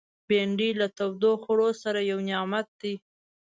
بېنډۍ له تودو خوړو سره یو نعمت دی